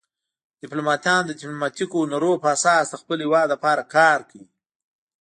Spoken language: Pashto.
ډیپلوماتان د ډیپلوماتیکو هنرونو په اساس د خپل هیواد لپاره کار کوي